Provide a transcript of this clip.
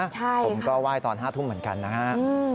ผมก็ไหว้ตอน๕ทุ่มเหมือนกันนะฮะ